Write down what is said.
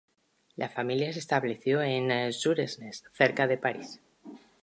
La familia se estableció en Suresnes, cerca de París.